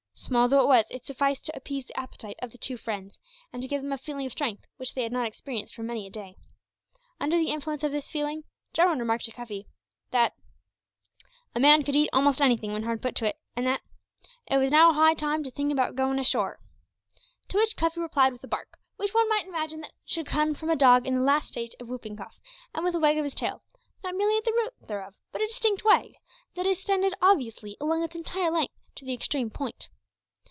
Small though it was, it sufficed to appease the appetite of the two friends, and to give them a feeling of strength which they had not experienced for many a day. Under the influence of this feeling, Jarwin remarked to Cuffy, that "a man could eat a most anything when hard put to it," and that "it wos now high time to think about goin' ashore." To which Cuffy replied with a bark, which one might imagine should come from a dog in the last stage of whooping cough, and with a wag of his tail not merely at the root thereof, but a distinct wag that extended obviously along its entire length to the extreme point.